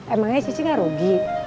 emangnya cici gak rugi